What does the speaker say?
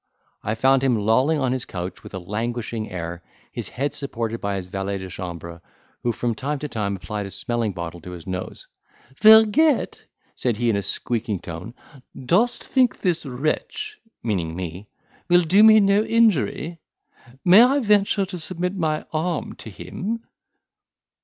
I found him lolling on his couch with a languishing air, his head supported by his valet de chambre, who from time to time applied a smelling bottle to his nose. "Vergette," said he in a squeaking tone, "dost think this wretch (meaning me) will do me no injury? May I venture to submit my arm to him?"